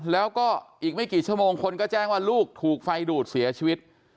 แล้วก็อีกไม่กี่ชั่วโมงคนก็แจ้งว่าลูกถูกไฟดูดเสียชีวิต